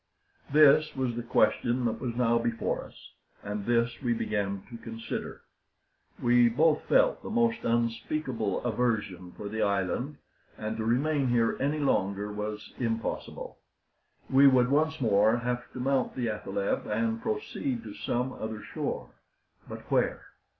This was the question that was now before us, and this we began to consider. We both felt the most unspeakable aversion for the island, and to remain here any longer was impossible. We would once more have to mount the athaleb, and proceed to some other shore. But where?